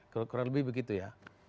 kurang lebih begitu ya